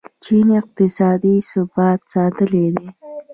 چین اقتصادي ثبات ساتلی دی.